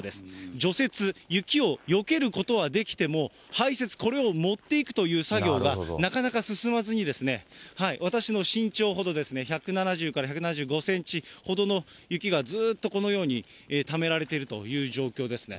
除雪、雪をよけることはできても、排雪、これを持っていくという作業が、なかなか進まずに、私の身長ほどですね、１７０から１７５センチほどの雪がずっとこのように、ためられているという状況ですね。